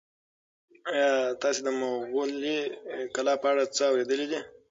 ایا تاسي د مغولي کلا په اړه څه اورېدلي دي؟